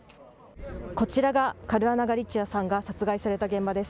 こちらがカルアナガリチアさんが殺害された現場です。